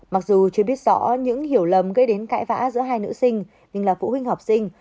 mặc dù chưa biết rõ những hiểu lầm gây đến cãi vã giữa hai nữ sinh nhưng là phụ huynh học sinh